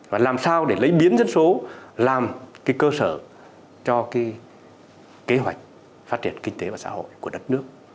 và làm sao để lấy biến dân số làm cái cơ sở cho cái kế hoạch phát triển kinh tế và xã hội của đất nước